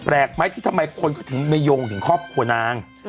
ไหมที่ทำไมคนก็ถึงไม่โยงถึงครอบครัวนาง